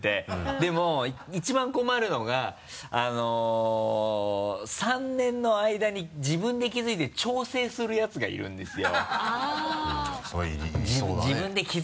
でも一番困るのが３年のあいだに自分で気づいて調整するやつがいるんですよ。